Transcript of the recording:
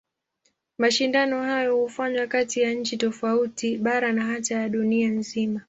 Mashindano hayo hufanywa kati ya nchi tofauti, bara na hata ya dunia nzima.